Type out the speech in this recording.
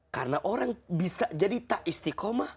karena orang bisa jadi tak istiqomah